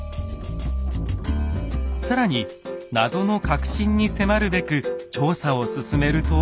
更に謎の核心に迫るべく調査を進めると。